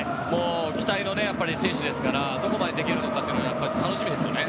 期待の選手ですからどこまでできるのかが楽しみですよね。